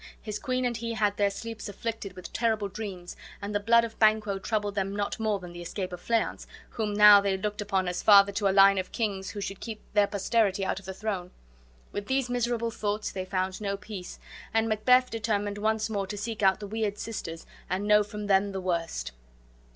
His queen and he had their sleeps afflicted with terrible dreams, and the blood of Banquo troubled them not more than the escape of Fleance, whom now they looked upon as father to a line of kings who should keep their posterity out of the throne. With these miserable thoughts they found no peace, and Macbeth determined once more to seek out the weird sisters and know from them the worst.